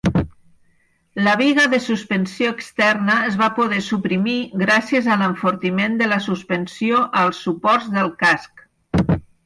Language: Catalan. La biga de suspensió externa es va poder suprimir gràcies a l'enfortiment de la suspensió als suports del casc.